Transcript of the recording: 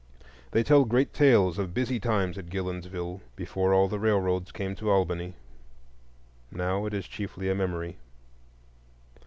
They tell great tales of busy times at Gillonsville before all the railroads came to Albany; now it is chiefly a memory.